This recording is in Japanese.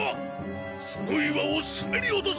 その岩をすべり落とせ！